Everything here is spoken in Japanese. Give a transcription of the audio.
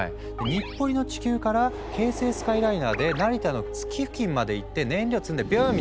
日暮里の地球から京成スカイライナーで成田の月付近まで行って燃料積んでビューン！